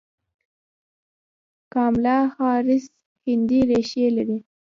کاملا هاریس هندي ریښې لري.